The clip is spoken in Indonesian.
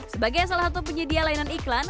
sebagai salah satu penyedia layanan iklan